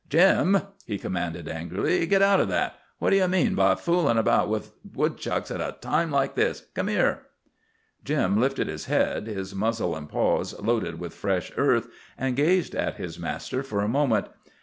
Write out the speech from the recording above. "Jim," he commanded angrily, "git out o' that! What d'ye mean by foolin' about after woodchucks a time like this? Come here!" Jim lifted his head, his muzzle and paws loaded with fresh earth, and gazed at his master for a moment.